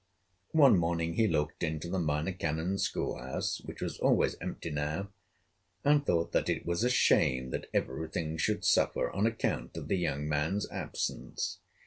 One morning he looked into the Minor Canon's school house, which was always empty now, and thought that it was a shame that every thing should suffer on account of the young man's absence.